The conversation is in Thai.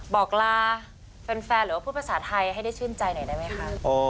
บอกลาแฟนหรือว่าพูดภาษาไทยให้ได้ชื่นใจหน่อยได้ไหมคะ